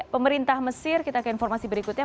pemerintah mesir kita ke informasi berikutnya